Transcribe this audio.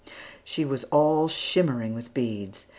She was all shimmering with beads.